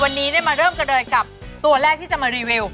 วันนี้ได้มาเริ่มกันเลยกับตัวแรกที่จะมารีวิว